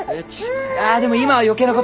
あでも今は余計なことは。